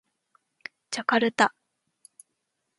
ジャカルタ